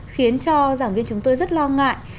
khiến cho giảng viên chúng tôi rất lo ngại